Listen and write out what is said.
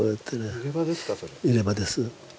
入れ歯です。